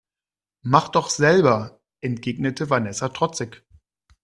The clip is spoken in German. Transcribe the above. Mach doch selber, entgegnete Vanessa trotzig.